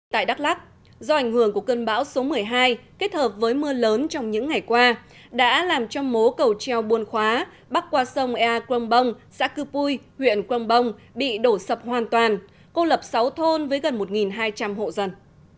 tại đắk lắc do ảnh hưởng của cơn bão số một mươi hai kết hợp với mưa lớn trong những ngày qua đã làm cho mố cầu treo buôn khóa bắt qua sông e crong bông xã cư pui huyện công bông bị đổ sập hoàn toàn cô lập sáu thôn với gần một hai trăm linh hộ dân